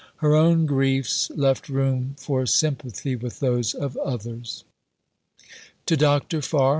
Her own griefs left room for sympathy with those of others: (_To Dr. Farr.